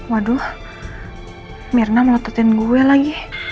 waduh mirna meletutin gue lagi